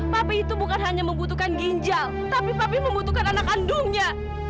papi itu bukan hanya membutuhkan ginjal tapi papi membutuhkan anak kandungnya